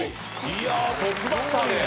いやトップバッターで。